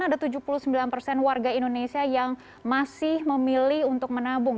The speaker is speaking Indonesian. ada tujuh puluh sembilan persen warga indonesia yang masih memilih untuk menabung